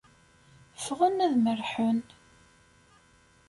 Ffɣen ad merrḥen.